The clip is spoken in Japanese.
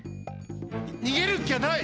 にげるっきゃない！